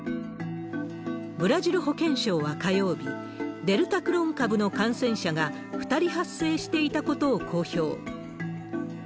ブラジル保健省は火曜日、デルタクロン株の感染者が２人発生していたことを公表。